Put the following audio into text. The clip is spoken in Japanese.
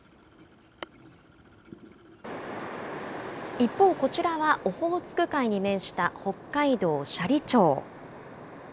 一方、こちらはオホーツク海に面した北海道斜里町。